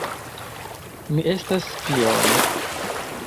Mi estas spiono